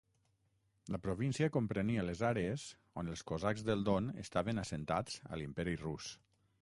La província comprenia les àrees on els cosacs del Don estaven assentats a l'Imperi rus.